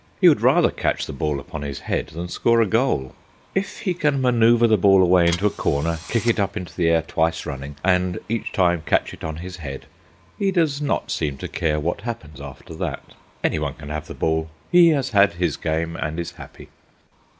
He would rather catch the ball upon his head than score a goal. If he can manœuvre the ball away into a corner, kick it up into the air twice running, and each time catch it on his head, he does not seem to care what happens after that. Anybody can have the ball; he has had his game and is happy.